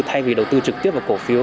thay vì đầu tư trực tiếp vào cổ phiếu